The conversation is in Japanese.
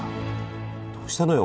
どうしたのよ